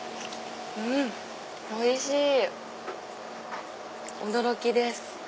おいしい驚きです。